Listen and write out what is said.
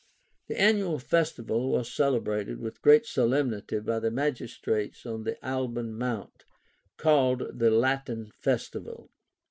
An annual festival was celebrated with great solemnity by the magistrates on the Alban Mount, called the Latin festival.